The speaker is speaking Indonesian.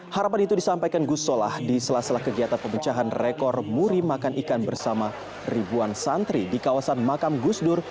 harapan itu disampaikan gus solah di sela sela kegiatan pemecahan rekor muri makan ikan bersama ribuan santri di kawasan makam gusdur